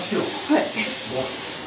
はい。